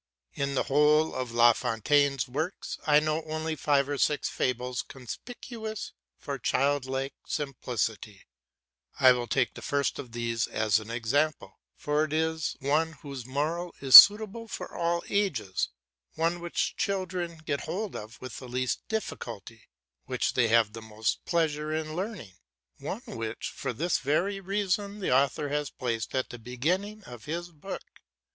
In the whole of La Fontaine's works I only know five or six fables conspicuous for child like simplicity; I will take the first of these as an example, for it is one whose moral is most suitable for all ages, one which children get hold of with the least difficulty, which they have most pleasure in learning, one which for this very reason the author has placed at the beginning of his book.